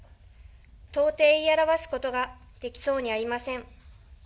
到底言い表すことができそうにありません。